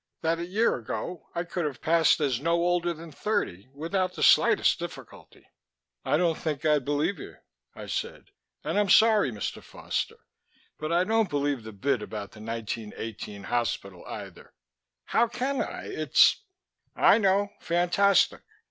That a year ago I could have passed as no older than thirty without the slightest difficulty " "I don't think I'd believe you," I said. "And I'm sorry, Mr. Foster; but I don't believe the bit about the 1918 hospital either. How can I? It's " "I know. Fantastic.